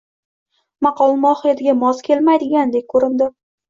Maqol mohiyatiga mos kelmaydigandek ko‘rindi.